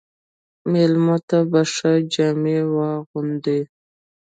مېلمه ته به ښه جامې واغوندې.